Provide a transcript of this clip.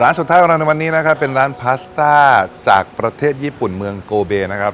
สุดท้ายของเราในวันนี้นะครับเป็นร้านพาสต้าจากประเทศญี่ปุ่นเมืองโกเบนะครับ